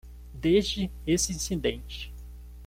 Desde esse incidente